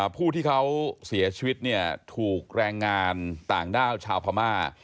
ผู้ที่เขาเสียชีวิตเนี่ยถูกแรงงานต่างด้าวชาวพม่า